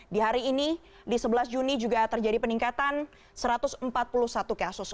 di hari ini di sebelas juni juga terjadi peningkatan satu ratus empat puluh satu kasus